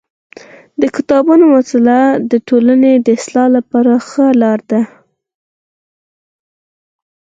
د کتابونو مطالعه د ټولني د اصلاح لپاره ښه لار ده.